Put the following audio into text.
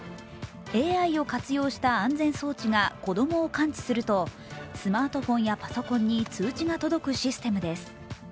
ＡＩを活用した安全装置が子供を感知すると、スマートフォンやパソコンに通知が届くシステムです。